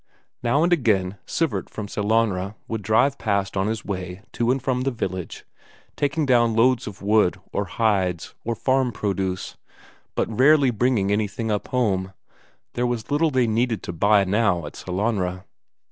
Now and again Sivert from Sellanraa would drive past on his way to and from the village, taking down loads of wood, or hides, or farm produce, but rarely bringing anything up home; there was little they needed to buy now at Sellanraa.